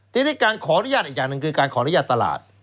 ทีนี้การขออนุญาตอีกอย่างหนึ่งคือการขออนุญาตตลาด